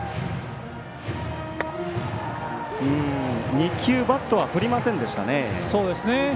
２球、バットは振りませんでしたね。